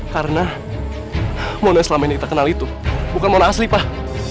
karena mona yang selama ini kita kenal itu bukan mona asli pak